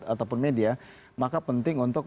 ataupun media maka penting untuk